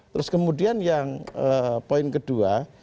terus kemudian yang poin kedua